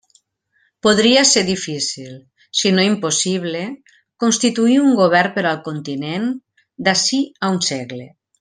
Podria ser difícil, si no impossible, constituir un govern per al continent d'ací a un segle.